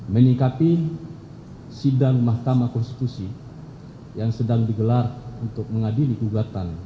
menikapi sidang mahkamah konstitusi yang sedang digelar untuk mengadili gugatan